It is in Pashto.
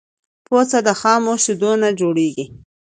پوڅه د خامو شیدونه جوړیږی.